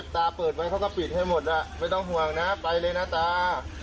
ตาเปิดไว้เขาก็ปิดให้หมดไม่ต้องห่วงนะไปเลยนะตา